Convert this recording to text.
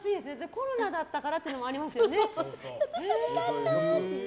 コロナだったからっていうのありますよね。